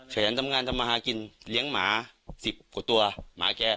แขนทำงานทำมาหากินเลี้ยงหมา๑๐กว่าตัวหมาแก